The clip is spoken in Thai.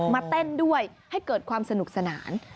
เต้นด้วยให้เกิดความสนุกสนาน